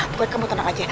bukan kamu tenang aja